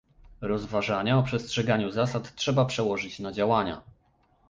Rozważania o przestrzeganiu zasad trzeba przełożyć na działania